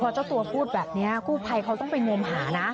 คือพอเจ้าตัวพูดแบบนี้ฟูไพค์เขาต้องไปงวมหานะ